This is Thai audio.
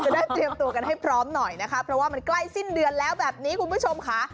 ได้เตรียมตัวกันให้พร้อมหน่อยนะคะเพราะว่ามันใกล้สิ้นเดือนแล้วแบบนี้คุณผู้ชมค่ะ